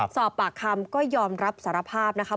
สอบปากคำก็ยอมรับสารภาพนะคะ